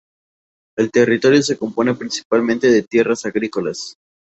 El territorio se compone principalmente de tierras agrícolas.